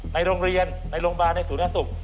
ในโรงเรียนในโรงบาลในศูนย์ศุกร์